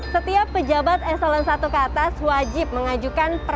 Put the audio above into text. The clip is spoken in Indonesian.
setiap pejabat s satu ke atas wajib mengajukan karantina mandiri